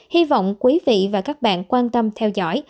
hy vọng quý vị và các bạn quan tâm theo dõi